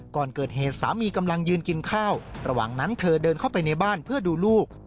ก่อนเกิดเหตุสามีกำลังยืนกินข้าวระหว่างนั้นเธอเดินเข้าไปในบ้านเพื่อดูลูก